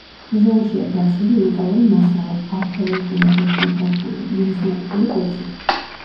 მუზეუმშია დაცული, უნიკალური მასალა: არქეოლოგიური, ეთნოგრაფიული, ნუმიზმატიკური კუთხით.